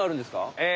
え。